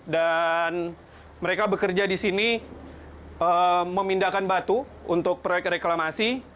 dan mereka bekerja di sini memindahkan batu untuk proyek reklamasi